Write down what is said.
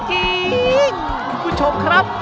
ทุกชมครับ